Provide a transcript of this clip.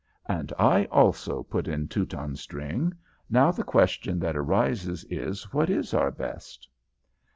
"And I also," put in Teutonstring. "Now the question that arises is what is our best?"